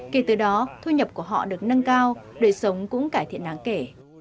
kể từ đó thu nhập của họ được nâng cao đời sống cũng cải thiện đáng kể